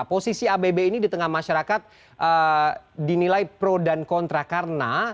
posisi abb ini di tengah masyarakat dinilai pro dan kontra karena